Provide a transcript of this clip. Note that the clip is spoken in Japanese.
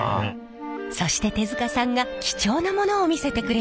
そして手塚さんが貴重なものを見せてくれました。